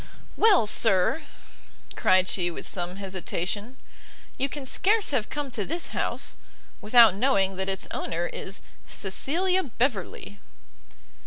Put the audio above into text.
"Well, sir," cried she with some hesitation, "you can scarce have come to this house, without knowing that its owner is Cecilia Beverley."